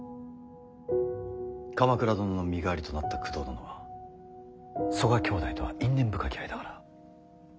鎌倉殿の身代わりとなった工藤殿は曽我兄弟とは因縁深き間柄。